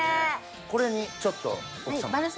これにちょっと奥さま。